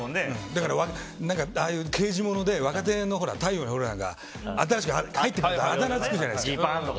だから、刑事もので若手の「太陽にほえろ」とか新しく入ってくるとあだ名つくじゃないですか。